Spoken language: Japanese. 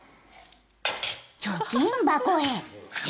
［貯金箱へ］